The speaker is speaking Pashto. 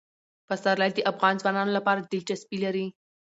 پسرلی د افغان ځوانانو لپاره دلچسپي لري.